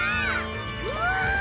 うわ！